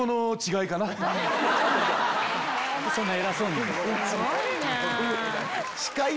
何でそんな偉そうに？